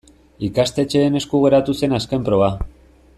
Ikastetxeen esku geratu zen azken proba.